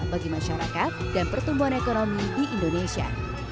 bagi masyarakat dan pertumbuhan ekonomi di indonesia